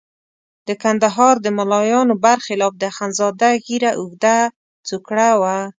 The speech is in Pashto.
د کندهار د ملایانو برخلاف د اخندزاده ږیره اوږده څوکړه وه.